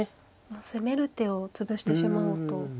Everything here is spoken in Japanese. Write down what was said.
攻める手を潰してしまおうと。